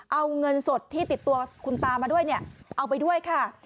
เอาเงินสดที่ติดตัวคุณตามาด้วยเนี่ยเอาไปด้วยค่ะ